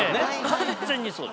完全にそうです。